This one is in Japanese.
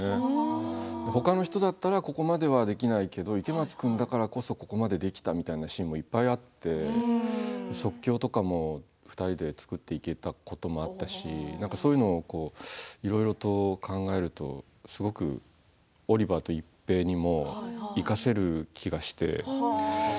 ほかの人だったらここまではできないけど池松君だからこそここまでできたみたいなシーンもいっぱいあって即興とかも２人で作っていけたこともあったしそういうのをいろいろと考えるとすごくオリバーと一平にも生かせる気がして。